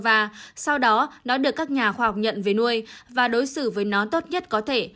và sau đó nó được các nhà khoa học nhận về nuôi và đối xử với nó tốt nhất có thể